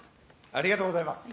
ありがとうございます。